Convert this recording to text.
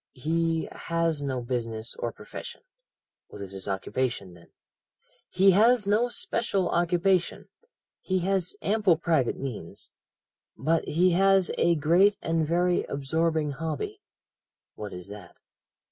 "'He has no business or profession. "'What is his occupation, then? "He has no special occupation. He has ample private means. But he has a great and very absorbing hobby.' "'What is that?'